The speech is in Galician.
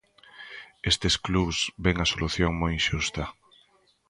Estes clubs ven a solución moi inxusta.